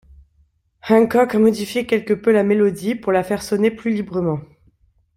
Hancock a modifié quelque peu la mélodie pour la faire sonner plus librement,